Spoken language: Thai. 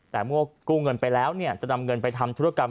แต่เมื่อกู้เงินไปแล้วจะนำเงินไปทำธุรกรรม